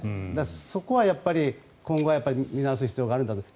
そこは今後は見直す必要があるんだろうなと。